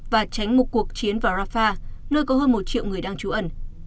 và tránh một cuộc chiến vào rafah nơi có hơn một triệu người đang trú ẩn